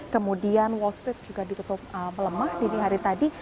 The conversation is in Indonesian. kemudian wall street juga ditutup melemah dini hari tadi